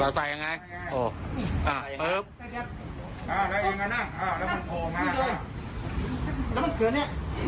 อ่าใส่เองก็นั่งแล้วมันโผล่มาค่ะ